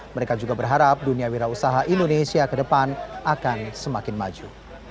mereka juga berharap dunia wira usaha indonesia ke depan akan semakin maju